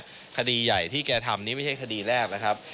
สองปีมาเนี้ยคดีใหญ่ที่แกทำนี่ไม่ใช่คดีแรกนะครับ